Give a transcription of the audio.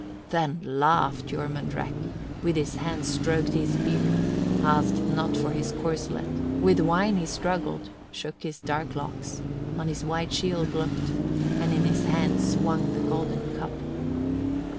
21. Then laughed Jormunrek, with his hand stroked his beard, asked not for his corslet; with wine he struggled, shook his dark locks, on his white shield looked, and in his hand swung the golden cup.